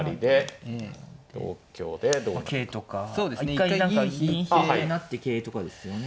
一回銀引いて成って桂とかですよね。